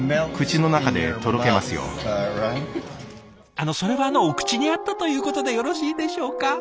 あのそれはあのお口に合ったということでよろしいでしょうか？